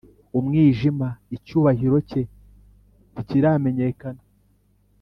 umwijima, icyubahiro cye ntikiramenyekana;